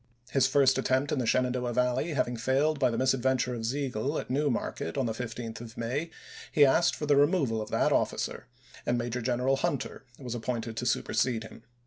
His first attempt in the Shenandoah Valley having failed by the misadventure of Sigel at New Market on the 15th of May, he asked for the removal of that officer, and Major General Hunter was appointed to supersede him.